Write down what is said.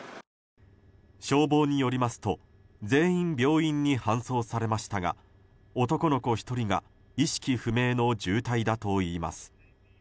消防によりますと全員、病院に搬送されましたが男の子１人が意識不明の重体だといいます。